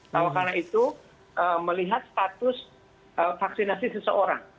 tawakana itu melihat status vaksinasi seseorang